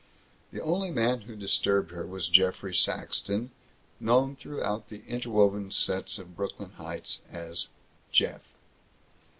The only man who disturbed her was Geoffrey Saxton, known throughout the interwoven sets of Brooklyn Heights as "Jeff."